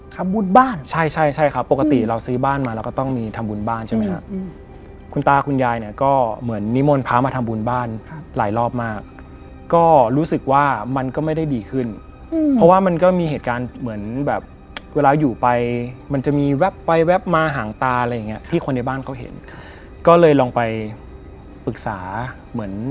ถูกไหมช่วยเหลือในที่นี้คือ